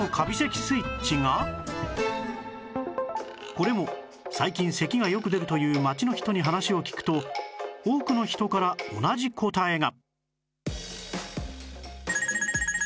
これも最近咳がよく出るという街の人に話を聞くと多くの人から同じ答えが